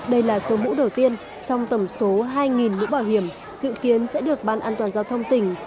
đây là số mũ đầu tiên trong tổng số hai mũ bảo hiểm dự kiến sẽ được ban an toàn giao thông tỉnh